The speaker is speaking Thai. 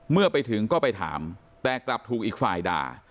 เมื่อไปถึงก็ไปถามแต่กลับถูกอีกฝ่ายด่า